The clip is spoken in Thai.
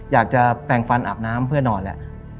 อยากจะแปลงฟันอาบน้ำเพื่อนอนแล้ว